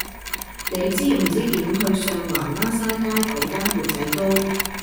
你知唔知點去上環孖沙街嗰間缽仔糕